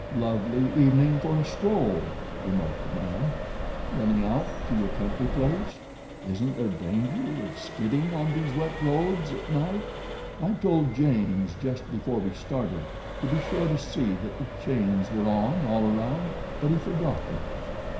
"Lovely evening for a stroll," remarked the man. "Running out to your country place? Isn't there danger of skidding on these wet roads at night? I told James, just before we started, to be sure to see that the chains were on all around; but he forgot them.